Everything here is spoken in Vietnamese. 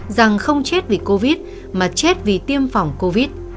rằng không chết vì covid mà chết vì tiêm phòng covid